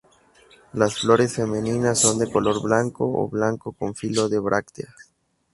Las flores femeninas son de color blanco o blanco con filo de brácteas.